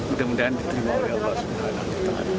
mudah mudahan diterima oleh allah swt